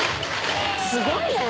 すごいね！